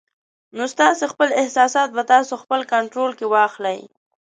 نو ستاسې خپل احساسات به تاسې خپل کنټرول کې واخلي